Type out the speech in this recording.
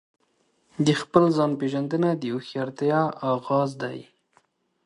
د خپل ځان پیژندنه د هوښیارتیا آغاز دی.